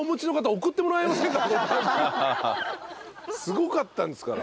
すごかったんですから。